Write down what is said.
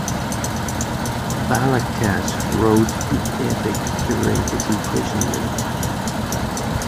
Balagtas wrote the epic during his imprisonment.